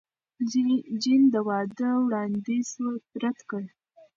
جین د واده وړاندیز رد کړ.